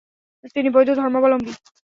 তিনি বৌদ্ধ ধর্মালম্বী।